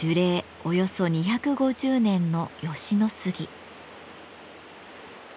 およそ２５０年の吉野杉。